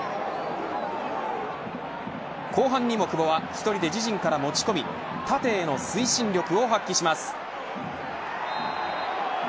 後半にも久保は１人で自陣から持ち込み縦への推進力を発揮します。